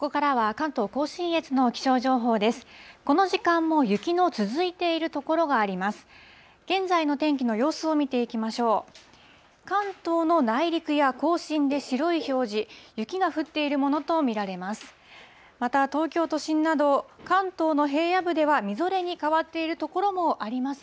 関東の内陸や甲信で白い表示、雪が降っているものと見られます。